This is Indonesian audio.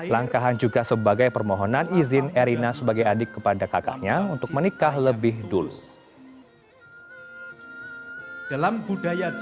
langkahan juga sebagai permohonan izin erina sebagai adik kepada kakaknya untuk menikah lebih dulu